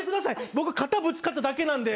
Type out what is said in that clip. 僕、肩ぶつかっただけなんで。